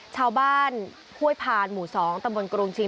ชาวบ้านห้วยพันธุ์หมู่สองตำรวงกรุงจิง